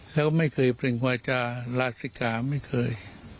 แล้วก็ไม่เคยเปล่งวาจาลาศิกาไม่เคย